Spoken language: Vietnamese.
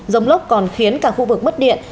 rông lốc còn khiến cả khu vực mất điện